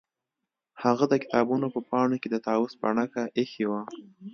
هغه د کتابونو په پاڼو کې د طاووس بڼکه ایښې وه